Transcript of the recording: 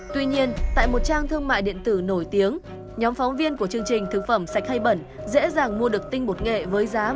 tuy nhiên tại một trang thương mại điện tử nổi tiếng nhóm phóng viên của chương trình thức phẩm sạch hay bẩn dễ dàng mua được tinh bột nghệ với giá một trăm sáu mươi đồng